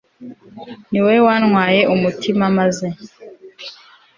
ni wowe wantwaye umutima maze